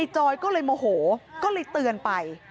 จอยก็เลยโมโหก็เลยเตือนไป